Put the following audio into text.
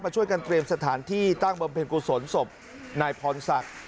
ช่วยกันเตรียมสถานที่ตั้งบำเพ็ญกุศลศพนายพรศักดิ์